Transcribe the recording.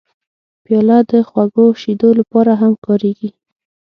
پیاله د خوږو شیدو لپاره هم کارېږي.